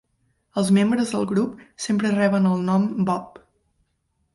Els membres del grup sempre reben el nom "Bob".